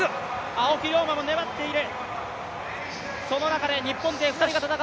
青木涼真も粘っている。